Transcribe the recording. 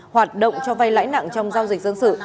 hoạt động cho vay lãi nặng trong giao dịch dân sự